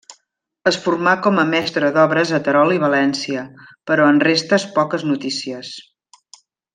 Es formà com a mestre d'obres a Terol i València, però en restes poques notícies.